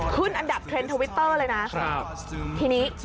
ขึ้นอันดับเทรนด์ทวิตเตอร์เลยนะทีนี้